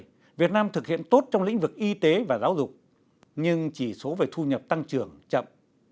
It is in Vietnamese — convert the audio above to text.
trong năm hai nghìn một mươi bảy việt nam thực hiện tốt trong lĩnh vực y tế và giáo dục nhưng chỉ số về thu nhập tăng trưởng chậm